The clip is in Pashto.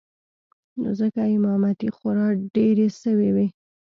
نو ځکه امامتې خورا ډېرې سوې وې.